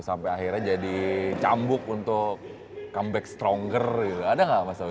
sampai akhirnya jadi cambuk untuk comeback stronger gitu ada nggak mas awi